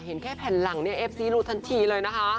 เห็นแค่แผ่นหลังเนี่ยเอฟซีรูทันทีเลยนะคะ